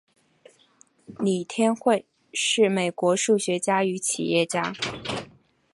李天惠是美国数学家与企业家。